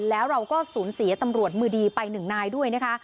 แล้วเราก็สูญเสียตำรวจมือดีไปหนึ่งนายด้วยนะคะ